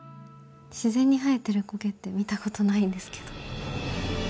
自然に生えてる苔って見たことないんですけど。